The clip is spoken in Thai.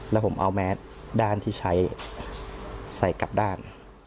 แล้วผมเอาแมสด้านที่ใช้ใส่กลับด้าน